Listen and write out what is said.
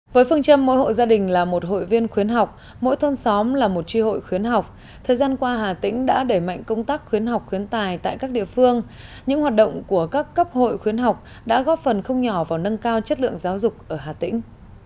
với phương châm mỗi hộ gia đình là một hội viên khuyến học mỗi thôn xóm là một tri hội khuyến học thời gian qua hà tĩnh đã đẩy mạnh công tác khuyến học khuyến tài tại các địa phương những hoạt động của các cấp hội khuyến học đã góp phần không nhỏ vào nâng cao chất lượng giáo dục ở hà tĩnh